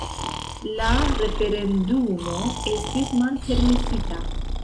La referendumo estis malpermesita.